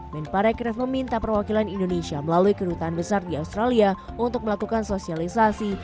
menparek ref meminta perwakilan indonesia melalui kerutaan besar di australia untuk melakukan sosialisasi